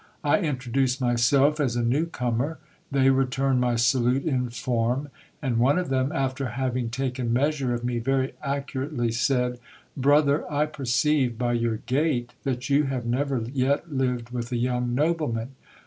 I introduced myself as a new comer. They returned my salute in form ; and one of them, after having taken measure of me very accurately, said— Brother, I perceive, by your gait, that you have never yet lived with a young nobleman.